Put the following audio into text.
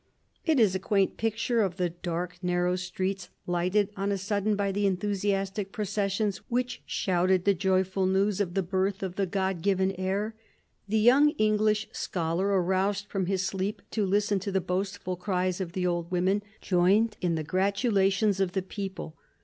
It is a quaint picture of the dark narrow streets, lighted on a sudden by the enthusiastic processions which shouted the joyful news of the birth of the " Godgiven " heir. The young English scholar, aroused from his sleep to listen to the boastful cries of the old women, joined in the gratulations of the people.